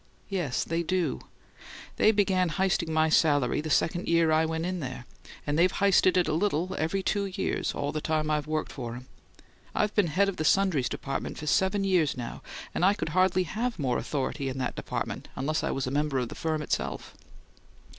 "Yes, they do. They began h'isting my salary the second year I went in there, and they've h'isted it a little every two years all the time I've worked for 'em. I've been head of the sundries department for seven years now, and I could hardly have more authority in that department unless I was a member of the firm itself."